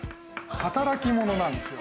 働き者なんですよ。